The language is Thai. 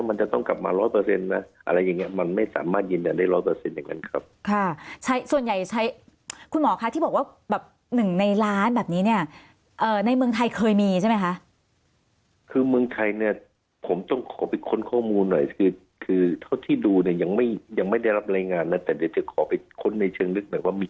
มันจะต้องกลับมาร้อยเปอร์เซ็นต์นะอะไรอย่างเงี้ยมันไม่สามารถยืนยันได้ร้อยเปอร์เซ็นต์อย่างนั้นครับค่ะใช้ส่วนใหญ่ใช้คุณหมอคะที่บอกว่าแบบหนึ่งในล้านแบบนี้เนี่ยในเมืองไทยเคยมีใช่ไหมคะคือเมืองไทยเนี่ยผมต้องขอไปค้นข้อมูลหน่อยคือคือเท่าที่ดูเนี่ยยังไม่ยังไม่ได้รับรายงานแล้วแต่เดี๋ยวจะขอไปค้นในเชิงลึกหน่อยว่ามี